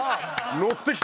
乗ってきた